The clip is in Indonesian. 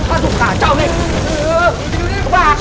aduh kacau nih